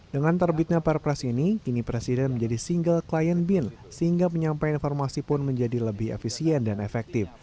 dengan terbitnya perpres ini kini presiden menjadi single client bin sehingga penyampaian informasi pun menjadi lebih efisien dan efektif